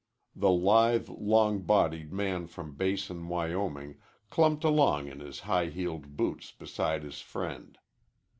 The lithe, long bodied man from Basin, Wyoming, clumped along in his high heeled boots beside his friend.